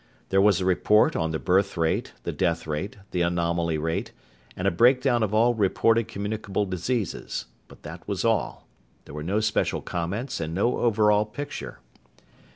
There was a report on the birth rate, the death rate, the anomaly rate, and a breakdown of all reported communicable diseases. But that was all. There were no special comments and no overall picture.